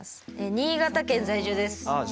新潟県在住です。